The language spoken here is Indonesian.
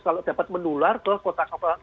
kalau dapat menular ke kota kota